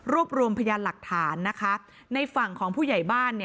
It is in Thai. รวมรวมพยานหลักฐานนะคะในฝั่งของผู้ใหญ่บ้าน